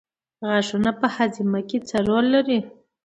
غاښونه په هاضمه کې څه رول لري